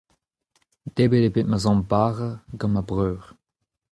debret eo bet ma zamm bara gant ma breur.